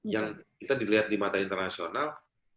yang kita dilihat di mata internasional